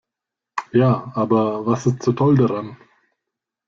Ja, aber was ist so toll daran?